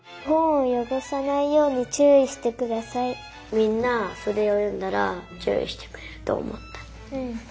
みんなそれをよんだらちゅういしてくれるとおもった。